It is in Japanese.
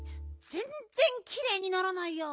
ぜんぜんきれいにならないや。